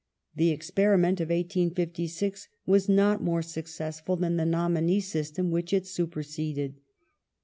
The experiment of 1856 was not more suc cessful than the nominee system which it supei seded.